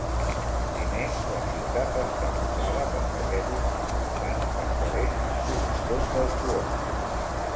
Primer, la ciutat va estar poblada per pagesos, artesans, mercaders i productors d'alcohol.